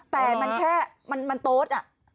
แต่มันแค่มันโต๊ด